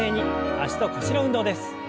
脚と腰の運動です。